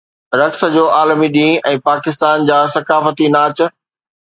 رقص جو عالمي ڏينهن ۽ پاڪستان جا ثقافتي ناچ